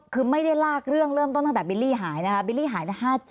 คือไม่ได้รากเรื่องเริ่มตั้งแต่บิ๊ดลีฟิเตอร์หาย